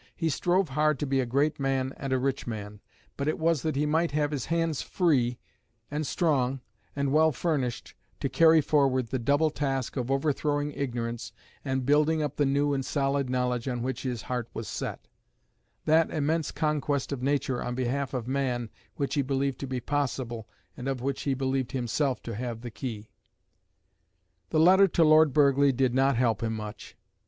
He strove hard to be a great man and a rich man. But it was that he might have his hands free and strong and well furnished to carry forward the double task of overthrowing ignorance and building up the new and solid knowledge on which his heart was set that immense conquest of nature on behalf of man which he believed to be possible, and of which he believed himself to have the key. The letter to Lord Burghley did not help him much.